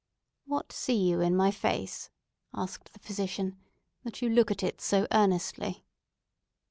"What see you in my face," asked the physician, "that you look at it so earnestly?"